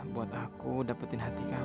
buat aku dapetin hati kamu